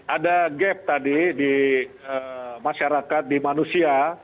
ada gap tadi di masyarakat di manusia